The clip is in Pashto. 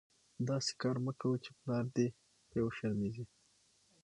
داسي کار مه کوئ، چي پلار دي په وشرمېږي.